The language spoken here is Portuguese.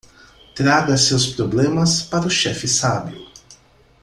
Traga seus problemas para o chefe sábio.